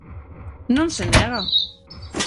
Non se nega.